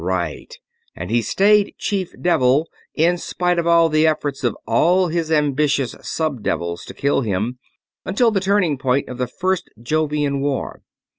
"Right, and he stayed Chief Devil, in spite of all the efforts of all his ambitious sub devils to kill him, until the turning point of the First Jovian War.